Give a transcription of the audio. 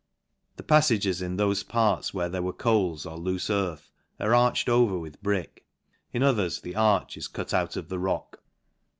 The paffages in thofe parts where there were coals or loofe earth, are arched over with brick, in others the arch is cutout of the rock.